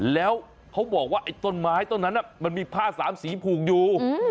แล้วเขาบอกว่าไอ้ต้นไม้ต้นนั้นมันมีผ้าสามสีผูกอยู่